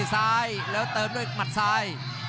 ซ้ายแล้วเติมด้วยหมัดซ้าย